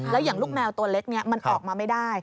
แล้วอย่างลูกแมวตัวเล็กมันออกมาไม่ได้